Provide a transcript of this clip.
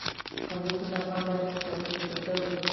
کندز سیند د افغان تاریخ په کتابونو کې ذکر شوی دی.